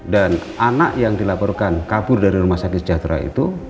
anak yang dilaporkan kabur dari rumah sakit sejahtera itu